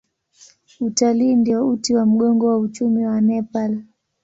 Utalii ndio uti wa mgongo wa uchumi wa Nepal.